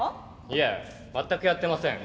いえ全くやってません。